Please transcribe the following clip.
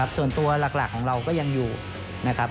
ส่วนตัวหลักของเราก็ยังอยู่นะครับ